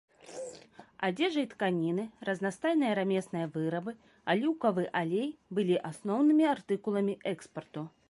Адзежа і тканіны, разнастайныя рамесныя вырабы, аліўкавы алей былі асноўнымі артыкуламі экспарту.